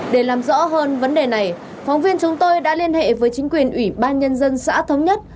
để làm rõ hơn vấn đề này phóng viên chúng tôi đã liên hệ với chính quyền ủy ban nhân dân xã thống nhất